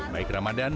baik ramadan maupun